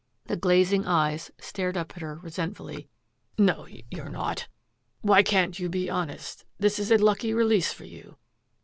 The glazing eyes stared up at her resentfully. "No, you're not! Why can't you be honest? This is a lucky release for you.